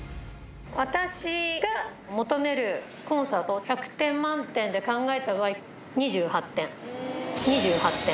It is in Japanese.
私が求めるコンサートを１００点満点で考えた場合、２８点。